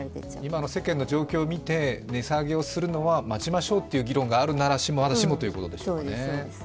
今の世間の状況を見て値下げをするのは待ちましょうという議論があるなら、まだしもということでしょうかね。